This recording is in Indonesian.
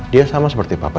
dia sama seperti papa